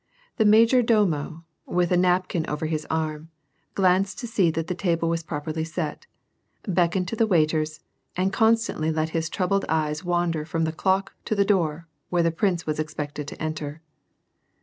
The major domo, with a napkin over his arm, glanced to &ve that the table was properly set, beckoned to the waiters, and constantly let his troubled eyes wander from the clock to the door where the prince was expected to enter.